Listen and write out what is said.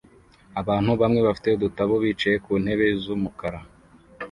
Abantu bamwe bafite udutabo bicaye ku ntebe z'umukara